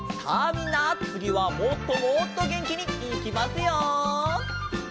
みんなつぎはもっともっとげんきにいきますよ。